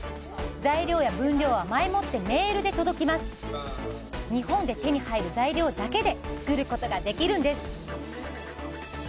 材料や分量は前もってメールで届きます日本で手に入る材料だけで作ることができるんです